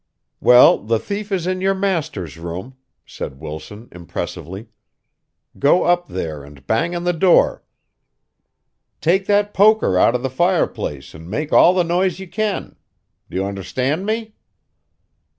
"Well, the thief is in your master's room," said Wilson, impressively. "Go up there and bang on the door take that poker out of the fireplace and make all the noise you can. Do you understand me?"